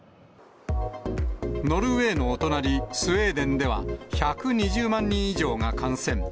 ノルウェーのお隣、スウェーデンでは１２０万人以上が感染。